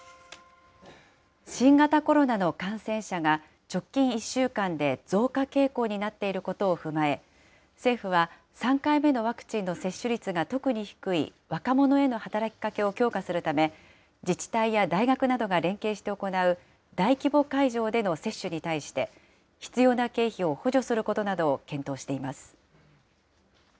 新型コロナの感染者が直近１週間で、増加傾向になっていることを踏まえ、政府は３回目のワクチンの接種率が特に低い若者への働きかけを強化するため、自治体や大学などが連携して行う大規模会場での接種に対して、必要な経費を補助することなどを検討しています。